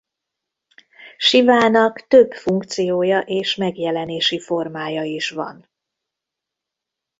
Sivának több funkciója és megjelenési formája is van.